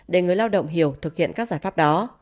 để người lao động hiểu thực hiện các giải pháp đó